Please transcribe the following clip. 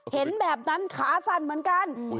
เห็นแบบนั้นขาสั่นเหมือนกัน